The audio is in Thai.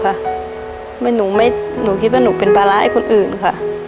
เพราะหนูไม่หนูคิดว่าหนูเป็นภาระให้คนอื่นค่ะ